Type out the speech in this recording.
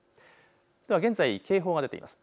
現在、警報が出ています。